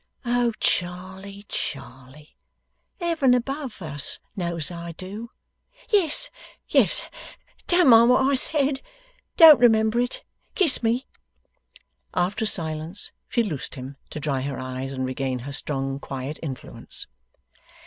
'O, Charley, Charley, Heaven above us knows I do!' 'Yes yes. Don't mind what I said. Don't remember it. Kiss me.' After a silence, she loosed him, to dry her eyes and regain her strong quiet influence.